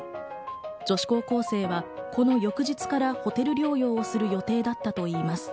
女子高校生はこの翌日からホテル療養をする予定だったといいます。